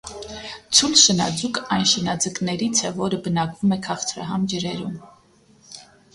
Ցուլ շնաձուկը այն շնաձկներից է որը բնակվում է քաղցրահամ ջրերում։